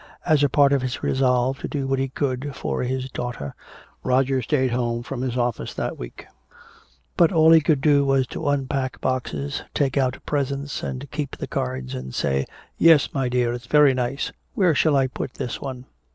As a part of his resolve to do what he could for his daughter, Roger stayed home from his office that week. But all he could do was to unpack boxes, take out presents and keep the cards, and say, "Yes, my dear, it's very nice. Where shall I put this one?"